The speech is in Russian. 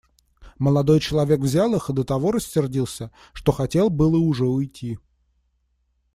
Молодой человек взял их и до того рассердился, что хотел было уже уйти.